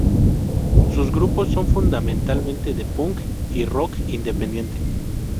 Sus grupos son fundamentalmente de Punk y Rock independiente.